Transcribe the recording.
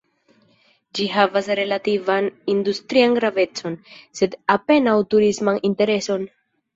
Ĝi havas relativan industrian gravecon, sed apenaŭ turisman intereson.